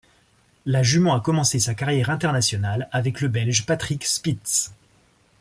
La jument a commencé sa carrière internationale avec le Belge Patrik Spits.